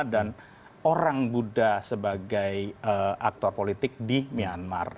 dan orang buddha sebagai aktor politik di myanmar